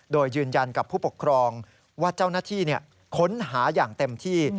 โดยยืนยันกับผู้ปกครองว่าเจ้าหน้าที่ค้นหาอย่างเต็มที่